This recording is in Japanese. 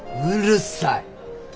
うるさい。